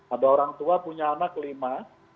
ada orang tua punya anak lima